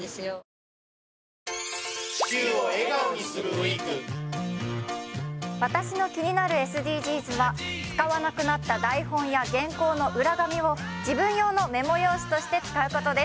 ニューアクアレーベルオールインワン私の気になるＳＤＧｓは使わなくなった台本や原稿の裏紙を自分用のメモ用紙として使うことです